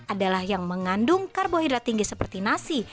adalah yang mengandung karbohidrat tinggi seperti nasi